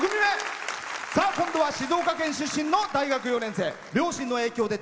今度は静岡県出身の大学４年生。